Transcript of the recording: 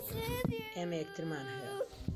ئێمە یەکترمان ھەیە.